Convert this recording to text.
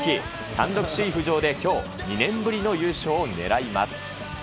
単独首位浮上できょう、２年ぶりの優勝を狙います。